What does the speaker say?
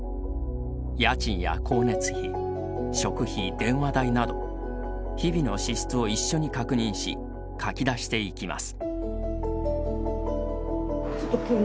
家賃や光熱費、食費、電話代など日々の支出を一緒に確認し書き出していきます。